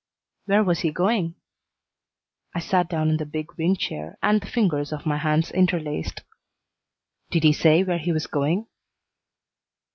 "Where was he going?" I sat down in the big wing chair and the fingers of my hands interlaced. "Did he say where he was going?"